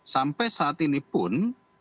sampai saat ini pun